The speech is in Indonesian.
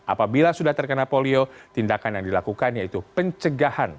apabila sudah terkena polio tindakan yang dilakukan yaitu pencegahan